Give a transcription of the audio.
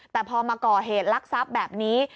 แต่พอมาก่อเหตุลักษัพแบบนี้